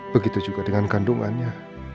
begitu juga dengan kandungannya